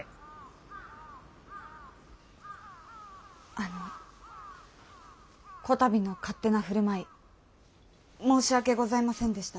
あのこたびの勝手なふるまい申し訳ございませんでした。